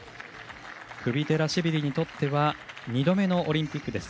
クビテラシビリにとっては２度目のオリンピック。